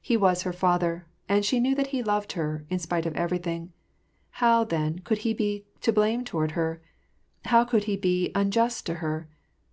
He was her father ; and she knew that he loved her, in spite of everything : how, then, could he be to blame toward her ? how could he be unjust to her